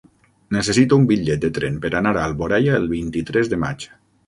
Necessito un bitllet de tren per anar a Alboraia el vint-i-tres de maig.